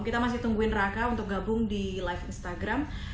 kita masih tungguin raka untuk gabung di live instagram